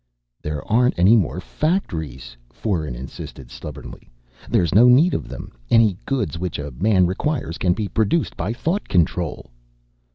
"There aren't any more factories," Foeren insisted stubbornly. "There's no need of them. Any goods which a man requires can be produced by thought control."